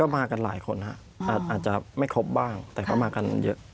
มากันหลายคนอาจจะไม่ครบบ้างแต่ก็มากันเยอะ